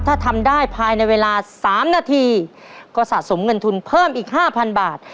ถ้าทำได้ภายในเวลา๓นาทีก็สะสมเงินทุนเพิ่มอีก๕๐๐บาท